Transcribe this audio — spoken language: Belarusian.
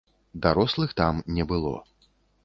Дарослых там не было.